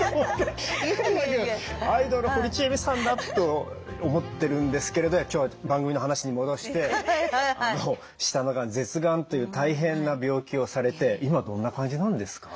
アイドル堀ちえみさんだと思ってるんですけれど今日は番組の話に戻して舌のがん舌がんという大変な病気をされて今どんな感じなんですか？